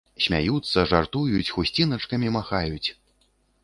Смяюцца, жартуюць, хусціначкамі махаюць.